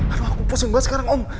aduh aku pusing banget sekarang om